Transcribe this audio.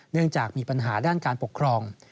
เนื่องจากมีปัญหาด้านการปกครอง